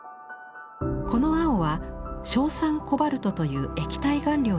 この青は硝酸コバルトという液体顔料によるもの。